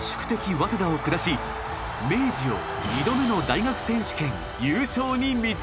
早稲田を下し明治を２度目の大学選手権優勝に導いた。